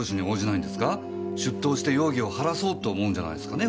出頭して容疑を晴らそうと思うんじゃないんすかね